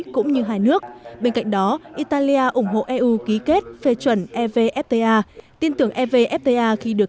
cũng như hai nước bên cạnh đó italia ủng hộ eu ký kết phê chuẩn evfta tin tưởng evfta khi được